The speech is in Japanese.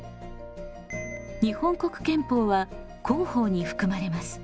日本国憲法は公法に含まれます。